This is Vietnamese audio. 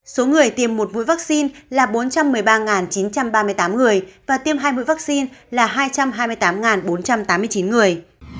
số người tìm một mũi vaccine là bốn trăm một mươi ba chín trăm ba mươi tám người và tiêm hai mũi vaccine là hai trăm hai mươi tám bốn trăm tám mươi chín người